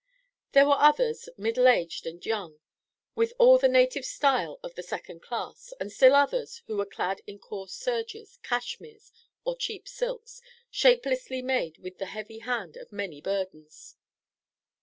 There were others, middle aged and young, with all the native style of the second class, and still others who were clad in coarse serges, cashmeres, or cheap silks, shapelessly made with the heavy hand of many burdens.